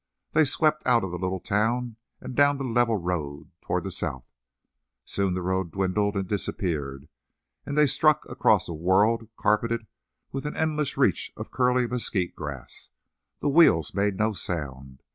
They swept out of the little town and down the level road toward the south. Soon the road dwindled and disappeared, and they struck across a world carpeted with an endless reach of curly mesquite grass. The wheels made no sound.